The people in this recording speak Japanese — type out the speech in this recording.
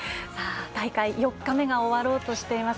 大会４日目が終わろうとしています。